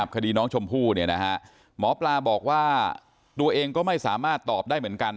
คดีน้องชมพู่หมอปลาบอกว่าตัวเองก็ไม่สามารถตอบได้เหมือนกัน